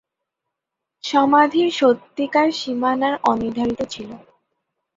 সমাধির সত্যিকার সীমানা অনির্ধারিত ছিল।